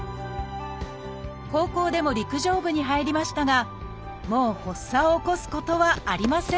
高校でも陸上部に入りましたがもう発作を起こすことはありません